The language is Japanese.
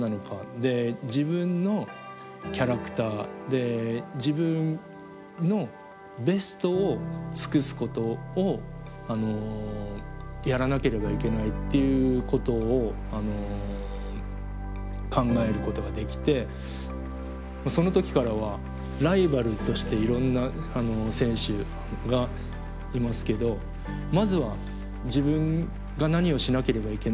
で自分のキャラクターで自分のベストを尽くすことをやらなければいけないっていうことを考えることができてその時からはライバルとしていろんな選手がいますけどまずは自分が何をしなければいけないんだ